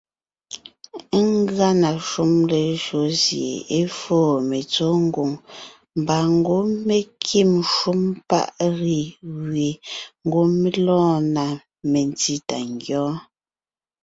Ngʉa na shúm lejÿo sie é foo metsɔ́ mengwòŋ mbà ngwɔ́ mé kîm shúm paʼ “riz” gẅie ngwɔ́ mé lɔɔn na metsí tà ngyɔ́ɔn.